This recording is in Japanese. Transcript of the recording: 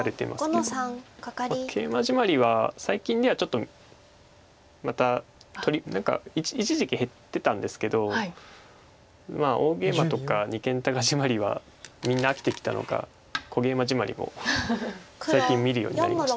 ケイマジマリは最近ではちょっとまた何か一時期減ってたんですけど大ゲイマとか二間高ジマリはみんな飽きてきたのか小ゲイマジマリも最近見るようになりました。